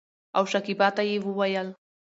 او شکيبا ته يې وويل